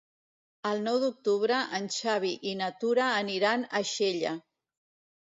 El nou d'octubre en Xavi i na Tura aniran a Xella.